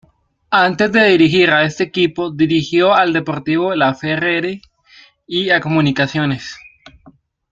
Antes de dirigir a este equipo dirigió al Deportivo Laferrere y a Comunicaciones.